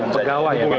pegawai ya pak